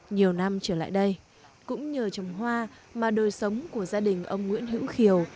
nhiều năm trở lại đây cũng nhờ trồng hoa mà đời sống của gia đình ông nguyễn hữu khiều